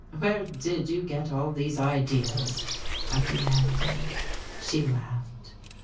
"Where did you get all these ideas?" I demanded. She laughed.